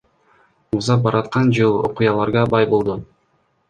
Узап бараткан жыл окуяларга бай болду.